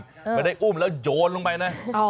ไม่ได้อุ้มแล้วโยนลงไปนะ